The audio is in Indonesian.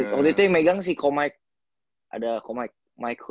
waktu itu yang megang si ko mike ada ko mike mike hui